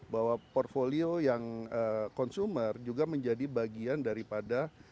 bahwa portfolio yang consumer juga menjadi bagian daripada